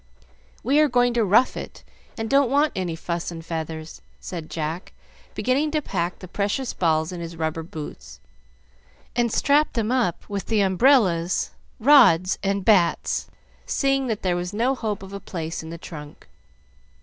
We are going to rough it, and don't want any fuss and feathers," said Jack, beginning to pack the precious balls in his rubber boots, and strap them up with the umbrellas, rods, and bats, seeing that there was no hope of a place in the trunk.